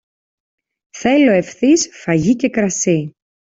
Θέλω ευθύς φαγί και κρασί.